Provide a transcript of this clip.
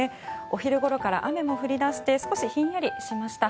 お昼ごろから雨も降り出して少しひんやりしました。